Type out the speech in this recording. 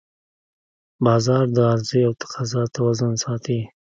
بازار د عرضې او تقاضا توازن ساتي